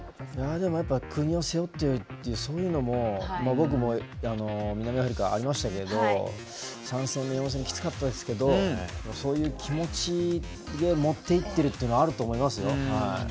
国を背負ってるそういうのも僕も南アフリカありましたけど３戦目、４戦目きつかったですけどそういう気持ちでもっていってるっていうのあると思います。